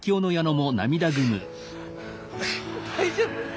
大丈夫？